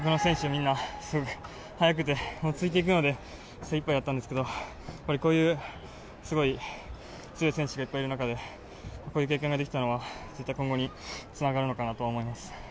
みんなすごく速くてついていくので精いっぱいだったんですけどこういうすごい、強い選手がいっぱいいる中でこういう経験ができたのは絶対今後につながるのかなと思います。